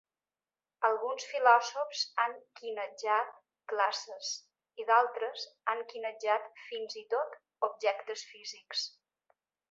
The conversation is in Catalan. Alguns filòsofs han "quinejat" classes i d'altres han "quinejat" fins i tot objectes físics.